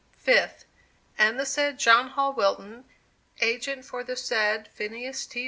5th. And the said John Hall Wilton, agent for the said Phineas T.